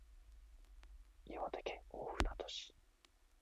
岩手県大船渡市